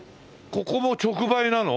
ここも直売なの？